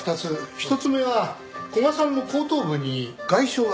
１つ目は古賀さんの後頭部に外傷があった。